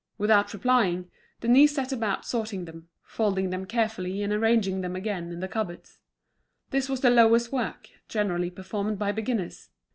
Without replying, Denise set about sorting them, folding them carefully and arranging them again in the cupboards. This was the lowest work, generally performed by beginners.